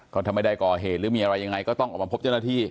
ก็ถ้าไม่ได้ก่อเหตุหรือมีอะไรยังไงก็ต้องออกมาพบเจ้าหน้าที่